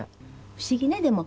不思議ねでも。